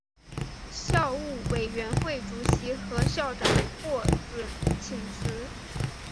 校务委员会主席和校长获准请辞。